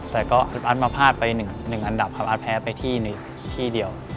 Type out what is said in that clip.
แต่อัสมาพลาดไป๑อันดับครับอัสแพ้ไปที่เดียว